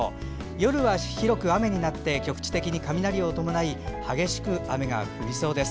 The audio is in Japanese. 夜には広く雨になって局地的に雷を伴い激しく雨が降りそうです。